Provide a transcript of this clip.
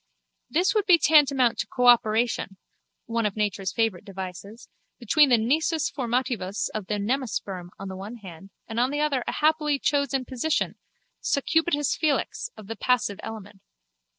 This would be tantamount to a cooperation (one of nature's favourite devices) between the nisus formativus of the nemasperm on the one hand and on the other a happily chosen position, succubitus felix, of the passive element.